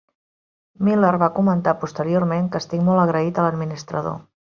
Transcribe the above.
Miller va comentar posteriorment que estic molt agraït a l'administrador.